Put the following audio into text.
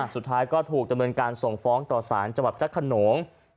สุดท้ายก็ถูกดำเนินการส่งฟ้องต่อสารจังหวัดพระขนง